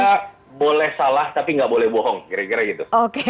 kita boleh salah tapi nggak boleh bohong kira kira gitu